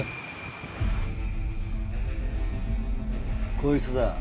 こいつだ。